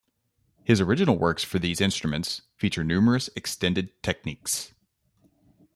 His original works for these instruments feature numerous extended techniques.